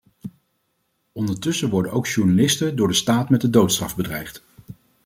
Ondertussen worden ook journalisten door de staat met de doodstraf bedreigd.